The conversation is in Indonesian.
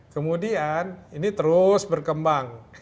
kemudian ini terus berkembang